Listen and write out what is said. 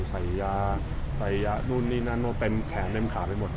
ใส่ยาใส่ยานู่นนี่นานูเป็นแขนเล็มขาไปหมด